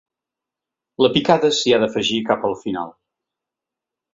La picada s’hi ha d’afegir cap al final.